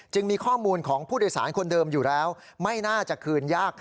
เพิ่งนี้พี่มนชัยก็เลยบอก